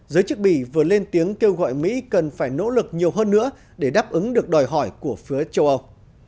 giới chức bỉ vừa lên tiếng kêu gọi mỹ cần phải nỗ lực nhiều hơn nữa để đáp ứng được đòi hỏi của phía châu âu